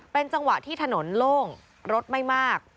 เป็นจังหวะที่ถนนโล่งรถไม่มาก